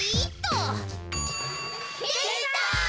できた！